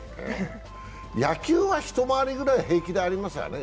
野球は一回りぐらい平気でありますよね？